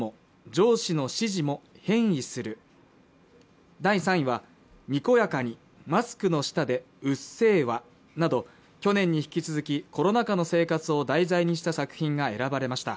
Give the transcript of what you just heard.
上司の指示も変異する「にこやかにマスクの下で『うっせぇわ！』」など去年に引き続きこの中の生活を題材にした作品が選ばれました